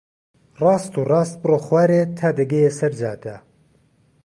ڕاست و ڕاست بڕۆ خوارێ تا دەگەیە سەر جادە.